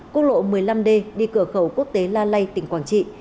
quốc lộ một mươi năm d đi cửa khẩu quốc tế la lây tỉnh quảng trị